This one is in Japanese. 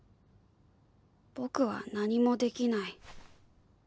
僕は何もできない。